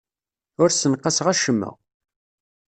Ur ssenqaseɣ acemma.